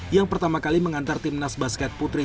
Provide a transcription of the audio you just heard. yang pertama kali mengantar tim nas basket putri